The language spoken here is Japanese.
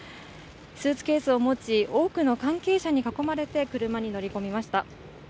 スーツケースを持ち多くの関係者に囲まれて車に乗り込みました。